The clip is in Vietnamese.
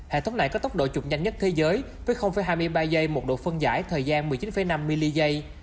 hệ thống này có tốc độ chụp nhanh nhất thế giới với hai mươi ba giây một độ phân giải thời gian một mươi chín năm m dây